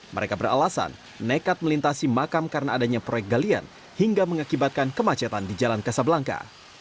mereka beralasan nekat melintasi makam karena adanya proyek galian hingga mengakibatkan kemacetan di jalan kasablangka